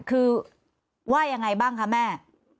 คือว่ายังไงบ้างคะแม่